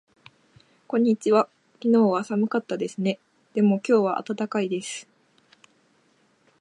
こんにちは。昨日は寒かったですね。でも今日は暖かいです。